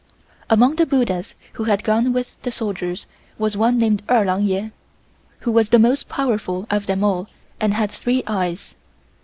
Among the buddhas who had gone with the soldiers was one named Erh Lang Yeh, who was the most powerful of them all and had three eyes.